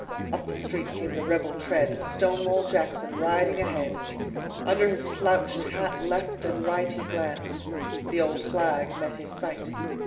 Up the street came the rebel tread, Stonewall Jackson riding ahead. Under his slouched hat left and rightHe glanced: the old flag met his sight.